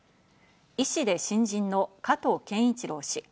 医師で新人の加藤健一郎氏。